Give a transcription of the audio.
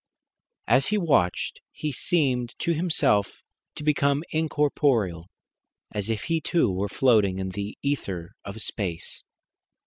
As he watched he seemed to himself to become incorporeal, as if he too were floating in the ether of space.